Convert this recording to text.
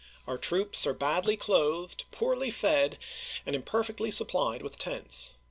Our troops are badly clothed, poorly fed, aud im s^ofleid^to perfectly supplied with tents.